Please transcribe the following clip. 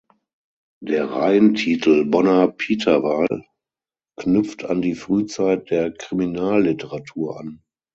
Der Reihentitel "Bonner Pitaval" knüpft an die Frühzeit der Kriminalliteratur an.